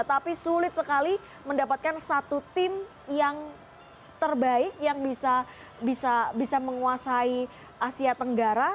tapi sulit sekali mendapatkan satu tim yang terbaik yang bisa menguasai asia tenggara